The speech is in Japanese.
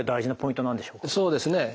そうですね。